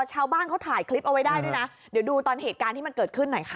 ชาวบ้านเขาถ่ายคลิปเอาไว้ได้ด้วยนะเดี๋ยวดูตอนเหตุการณ์ที่มันเกิดขึ้นหน่อยค่ะ